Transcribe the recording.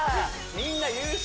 みんな優勝